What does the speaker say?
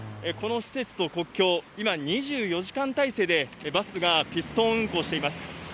この施設と国境、今、２４時間態勢で、バスがピストン運行しています。